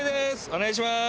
お願いします。